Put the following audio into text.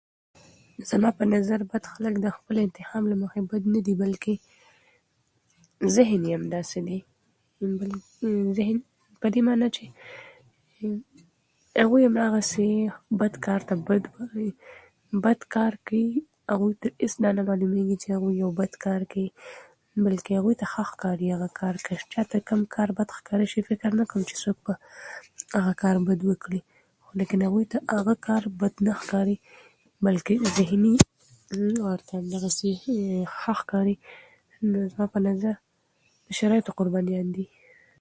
زما په نظر بد خلک د خپل انتخاب له مخې بد نه دي، بلکې ذهن یې همداسې دی. په دې معنی چې هغوی هماغسې بد کار ته بد وايي، بد کار کوي او هغوی ته هيڅ دا نه معلومېږي چې هغوی بد کار کوي، بلکې هغوی ته ښه ښکاري هغه کار. که چاته کوم کار بد ښکاره شي، فکر نه کوم چې څوک به هغه کار بد وکړي، لیکن هغوی ته هغه کار بد نه ښکاري، بلکې ذهني ورته همدغسې ښه ښکاري او زما په نظر د شرايطو قربانیان دي.